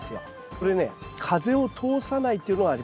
これね風を通さないっていうのがあります。